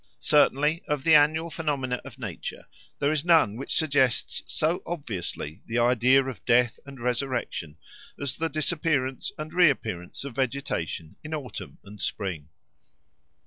Certainly of the annual phenomena of nature there is none which suggests so obviously the idea of death and resurrection as the disappearance and reappearance of vegetation in autumn and spring.